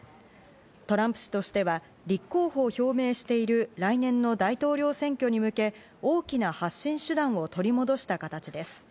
トランプ氏としては立候補を表明している来年の大統領選挙に向け、大きな発信手段を取り戻した形です。